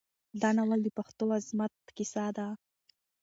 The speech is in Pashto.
دا ناول د پښتنو د عظمت کیسه ده.